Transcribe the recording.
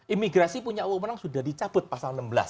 imigrasi punya wawonan sudah dicabut pasal enam belas